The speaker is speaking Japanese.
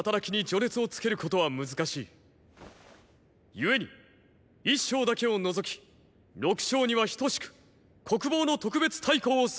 故に一将だけを除き六将には等しく国防の“特別大功”を授ける。